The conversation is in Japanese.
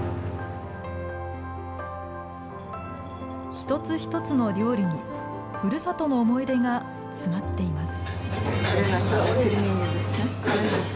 一つ一つの料理にふるさとの思い出が詰まっています。